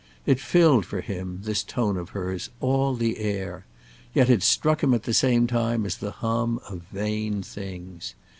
It filled for him, this tone of hers, all the air; yet it struck him at the same time as the hum of vain things.